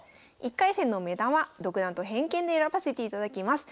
１回戦の目玉独断と偏見で選ばせていただきます。